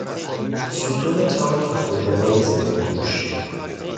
ستون تانک و خودروهای زرهپوش